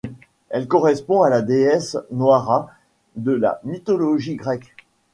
Elle correspond à la déesse Moïra de la mythologie grecque.